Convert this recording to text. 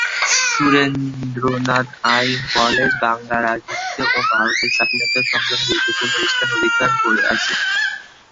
সুরেন্দ্রনাথ আইন কলেজ বাংলার রাজনীতিতে ও ভারতের স্বাধীনতা সংগ্রামে গুরুত্বপূর্ণ স্থান অধিকার করে আছে।